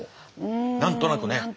何となくね？